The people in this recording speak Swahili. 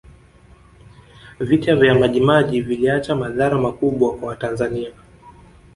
vita vya majimaji viliacha madhara makubwa kwa watanzania